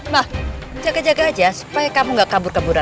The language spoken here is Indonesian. nah jaga jaga aja supaya kamu gak kabur kaburan